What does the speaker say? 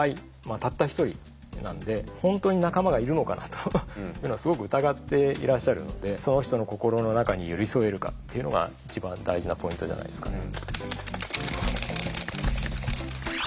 たった一人なんで本当に仲間がいるのかなというのはすごく疑っていらっしゃるのでその人の心の中に寄り添えるかっていうのが一番大事なポイントじゃないですかね。